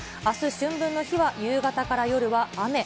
あす、春分の日は夕方から夜は雨。